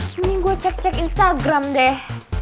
swining gue cek cek instagram deh